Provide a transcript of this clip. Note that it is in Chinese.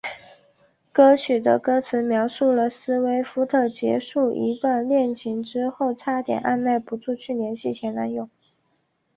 歌曲的歌词描述了斯威夫特结束一段恋情之后差点按捺不住去联系前男友。